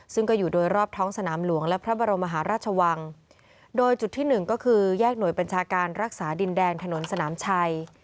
ซึ่งก็อยู่โดยรอบท้องสนามหลวงและพระบรมมหาราชวังโดยจุดที่หนึ่งก็คือแยกหน่วยบัญชาการรักษาดินแดงถนนสนามชัย